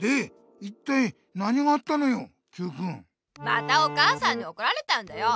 またお母さんにおこられたんだよ。